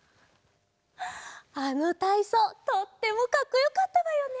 あのたいそうとってもかっこよかったのよね！